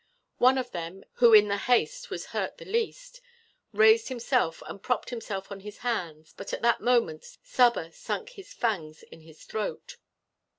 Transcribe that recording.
One of them, who in the haste was hurt the least, raised himself and propped himself on his hands, but at that moment Saba sunk his fangs in his throat.